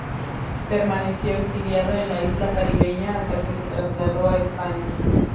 Permaneció exiliado en la isla caribeña hasta que se trasladó a España.